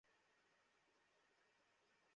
আর যে জিতবে, সে তিনটার টাকাই পাবে।